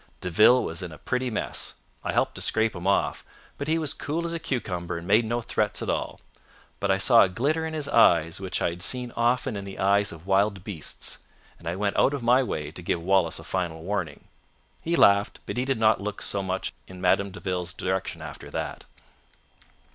"De Ville was in a pretty mess—I helped to scrape him off; but he was cool as a cucumber and made no threats at all. But I saw a glitter in his eyes which I had seen often in the eyes of wild beasts, and I went out of my way to give Wallace a final warning. He laughed, but he did not look so much in Madame de Ville's direction after that.